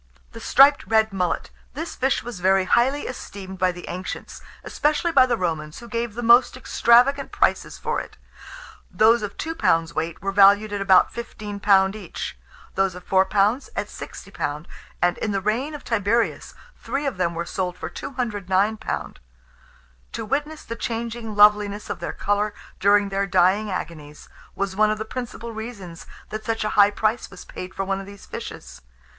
] THE STRIPED RED MULLET. This fish was very highly esteemed by the ancients, especially by the Romans, who gave the most extravagant prices for it. Those of 2 lbs. weight were valued at about £15 each; those of 4 lbs. at £60, and, in the reign of Tiberius, three of them were sold for £209. To witness the changing loveliness of their colour during their dying agonies, was one of the principal reasons that such a high price was paid for one of these fishes.